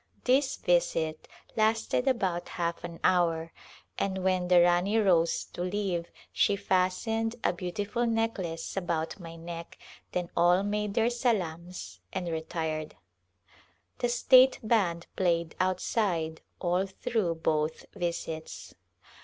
This visit lasted about half an hour, and when the Rani rose to leave she fastened a beautiful necklace about my neck, then all made their salams and retired. The state band played outside all through both visits.